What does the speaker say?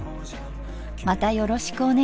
またよろしくお願いいたします